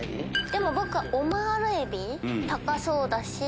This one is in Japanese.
でも僕はオマール海老高そうだし。